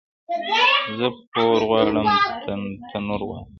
o زه پور غواړم، ته نور غواړې٫